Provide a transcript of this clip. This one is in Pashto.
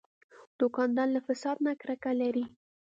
دوکاندار له فساد نه کرکه لري.